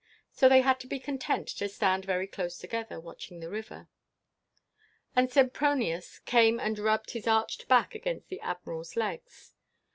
So they had to be content to stand very close together, watching the river. And Sempronius came and rubbed his arched back against the Admiral's legs.